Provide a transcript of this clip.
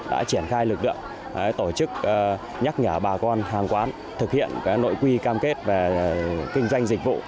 đã triển khai lực lượng tổ chức nhắc nhở bà con hàng quán thực hiện nội quy cam kết về kinh doanh dịch vụ